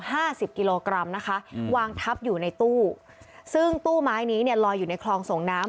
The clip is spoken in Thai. ห้าสิบกิโลกรัมนะคะอืมวางทับอยู่ในตู้ซึ่งตู้ไม้นี้เนี่ยลอยอยู่ในคลองส่งน้ำ